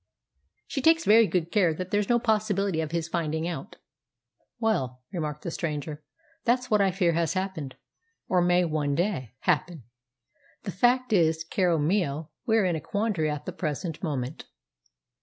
She takes very good care there's no possibility of his finding out." "Well," remarked the stranger, "that's what I fear has happened, or may one day happen. The fact is, caro mio, we are in a quandary at the present moment.